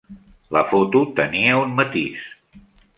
La foto tenia un matís.